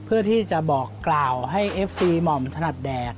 เพื่อที่จะบอกกล่าวให้เอฟซีหม่อมถนัดแดด